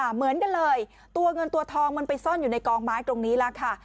เหมือนกันเลยตัวเงินตัวทองมันไปซ่อนอยู่ในกองไม้ตรงนี้แล้วค่ะ